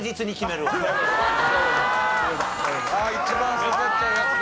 一番刺さっちゃうやつだ。